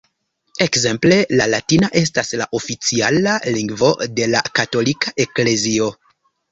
Ekzemple la latina estas la oficiala lingvo de la katolika eklezio.